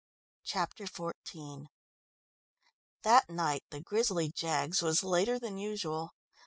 Chapter XIV That night the "grisly Jaggs" was later than usual.